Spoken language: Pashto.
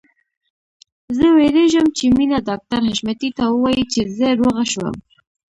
زه وېرېږم چې مينه ډاکټر حشمتي ته ووايي چې زه روغه شوم